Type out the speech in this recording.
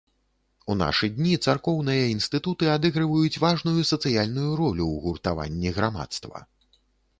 У нашы дні царкоўныя інстытуты адыгрываюць важную сацыяльную ролю ў гуртаванні грамадства.